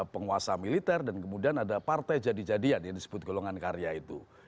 penguasa militer dan kemudian ada partai jadi jadian yang disebut golongan karya itu